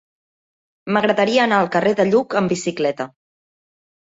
M'agradaria anar al carrer de Lluc amb bicicleta.